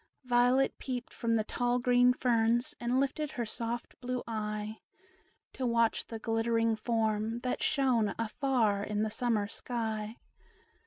Violet peeped from the tall green ferns, And lifted her soft blue eye To watch the glittering form, that shone Afar in the summer sky.